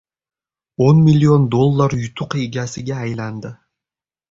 oʻn million dollar yutuq egasiga aylandi.